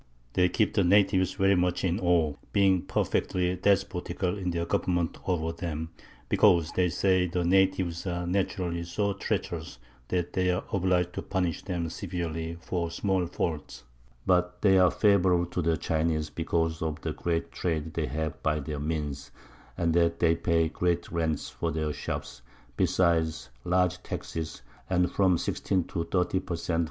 They keep the Natives very much in Awe, being perfectly despotical in their Government over them, because they say the Natives are naturally so treacherous that they are obliged to punish them severely, for small Faults; but they are favourable to the Chineze, because of the great Trade they have by their Means, and that they pay great Rents for their Shops, besides large Taxes, and from 16 to 30 _per Cent.